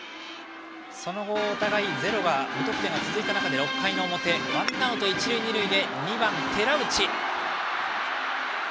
その後、お互い０が続いた６回の表、ワンアウト一塁二塁で２番、寺内。